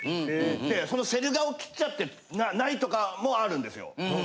でそのセル画を切っちゃって無いとかもあるんですよ。